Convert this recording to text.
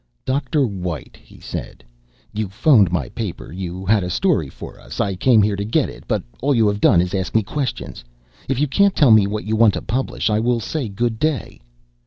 "Dr. White," he said, "you phoned my paper you had a story for us. I came here to get it, but all you have done is ask me questions. If you can't tell me what you want us to publish, I will say good day."